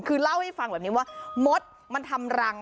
คือเล่าให้ฟังแบบนี้ว่ามดมันทำรัง